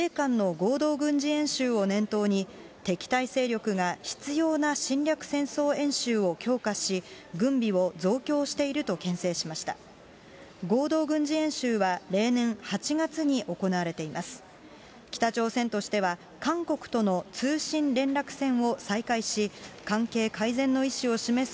合同軍事演習は例年、８月に行われています。